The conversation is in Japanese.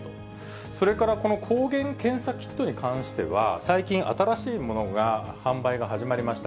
それから抗原検査キットに関しては、最近、新しいものが販売が始まりました。